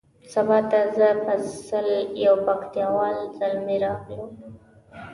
سبا ته زه فضل یو پکتیا وال زلمی راغلو.